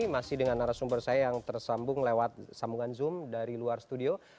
masih dengan narasumber saya yang tersambung lewat sambungan zoom dari luar studio